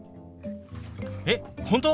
えっ本当？